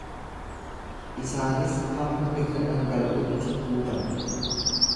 Isaanis hamma irra-dhangala'utti guutan.